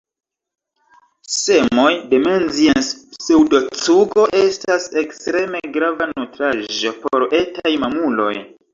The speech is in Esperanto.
Semoj de Menzies-pseŭdocugo estas ekstreme grava nutraĵo por etaj mamuloj.